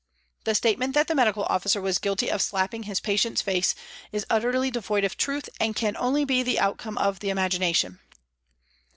The statement that the medical officer was guilty of slapping his patient's face is utterly devoid of truth, and can only be the outcome of the imagination.